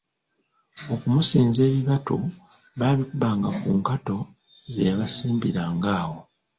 Okumusinza ebibatu baabikubanga ku nkato ze yabasimbiranga awo.